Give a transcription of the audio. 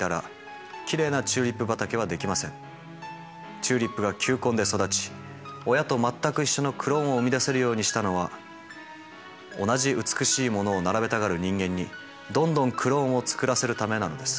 チューリップが球根で育ち親と全く一緒のクローンを生み出せるようにしたのは同じ美しいものを並べたがる人間にどんどんクローンを作らせるためなのです。